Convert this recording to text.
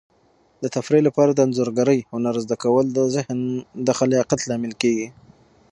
د تفریح لپاره د انځورګرۍ هنر زده کول د ذهن د خلاقیت لامل کیږي.